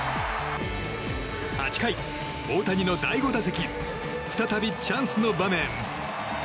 ８回、大谷の第５打席再びチャンスの場面。